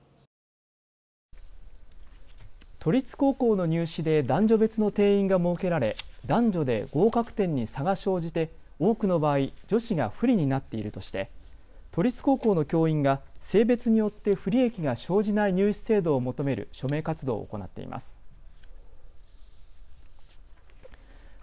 都立高校の入試で男女別の定員が設けられ男女で合格点に差が生じて多くの場合、女子が不利になっているとして都立高校の教員が性別によって不利益が生じない入試制度を求める署名活動を行っています。